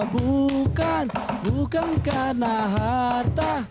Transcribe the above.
bukan bukan karena harta